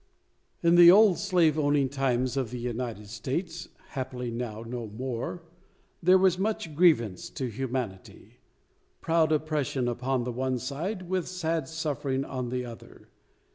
In the old slave owning times of the United States happily now no more there was much grievance to humanity; proud oppression upon the one side, with sad suffering on the other.